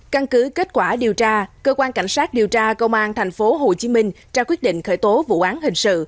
căn cứ kết quả điều tra cơ quan cảnh sát điều tra công an thành phố hồ chí minh ra quyết định khởi tố vụ án hình sự